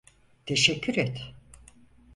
Teşekkür et.